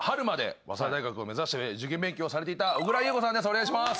お願いします。